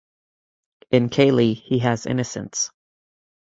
In Kaylee, he has innocence.